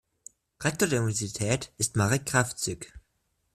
Rektor der Universität ist Marek Krawczyk.